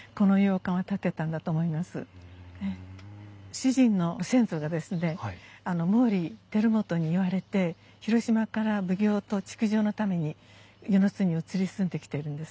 主人の先祖がですね毛利輝元に言われて広島から奉行と築城のために温泉津に移り住んできてるんです。